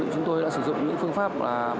chúng tôi đã sử dụng những phương pháp